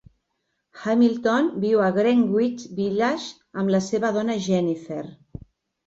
Hamilton viu a Greenwich Village amb la seva dona Jennifer.